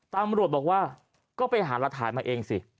ตำรวจบอกว่าก็ไปหารักฐานมาเองสิ